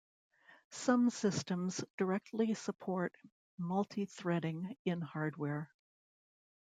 Some systems directly support multi-threading in hardware.